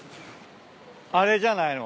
あれじゃないの？